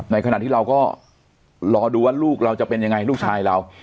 ในขณะที่เราก็รอดูว่าลูกเราจะเป็นยังไงลูกชายเรา